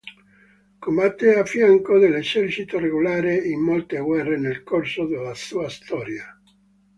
Combatté a fianco dell'esercito regolare in molte guerre nel corso della sua storia.